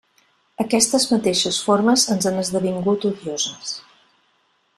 Aquestes mateixes formes ens han esdevingut odioses.